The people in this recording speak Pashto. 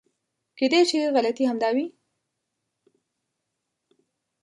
کېدای شي غلطي همدا وي .